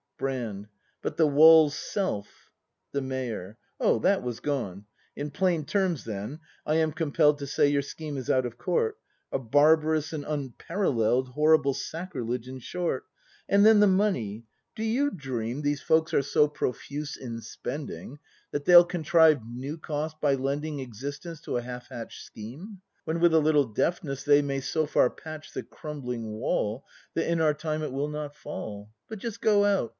Brand. But the wall's self ? The Mayor. Oh, that was gone. In plain terms then, I am compell'd To say, your scheme is out of court: — A barbarous and unparallel'd Horrible sacrilege, in short. And then the money, — do you dream 180 BRAND [ACT iv These folks are so profuse in spending. That they'll contrive new cost by lending Existence to a half hatch'd scheme? When with a little deftness they May so far patch the crumbling wall That in our time it will not fall ? But just go out!